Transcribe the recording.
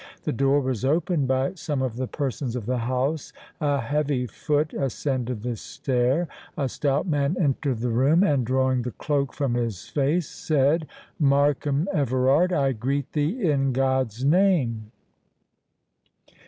The door was opened by some of the persons of the house; a heavy foot ascended the stair, a stout man entered the room, and drawing the cloak from his face, said, "Markham Everard, I greet thee in God's name."